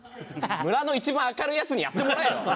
村の一番明るいヤツにやってもらえよ！